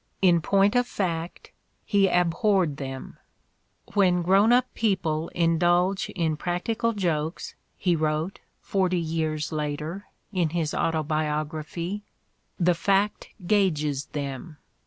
In point of fact, he abhorred them. "When grown up people indulge in practical jokes," he wrote, forty years 204 The Ordeal of Mark Twain latefr, in his Autobiography, "the fact gauges them.